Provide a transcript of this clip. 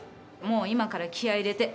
もう今から気合入れて。